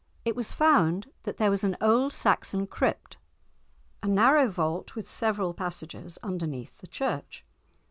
It was found that there was an old Saxon crypt, a narrow vault with several passages, underneath the church!